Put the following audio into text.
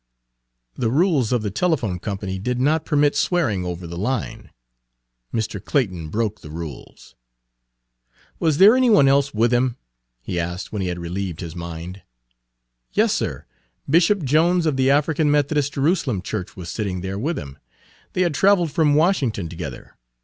The rules of the telephone company did not permit swearing over the line. Mr. Clayton broke the rules. "Was there any one else with him?" he asked when he had relieved his mind. "Yes, sir, Bishop Jones of the African Methodist Jerusalem Church was sitting there Page 128 with him; they had traveled from Washington together.